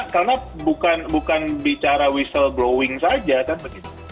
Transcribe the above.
karena bukan bicara whistle blowing saja kan begitu